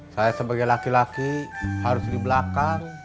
saya sebagai laki laki harus di belakang